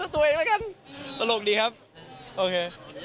ตลกดีครับโอเค